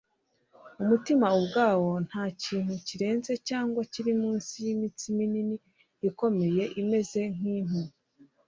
Umutima ubwawo ntakintu kirenze cyangwa kiri munsi yimitsi minini ikomeye imeze nkimpu